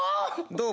どう？